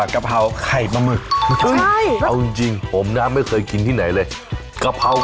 ไม่น่ายแล้วครับครึ่งศาลแล้วเหมือนกัน